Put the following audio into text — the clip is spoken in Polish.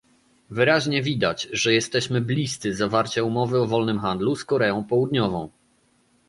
Wyraźnie widać, że jesteśmy bliscy zawarcia umowy o wolnym handlu z Koreą Południową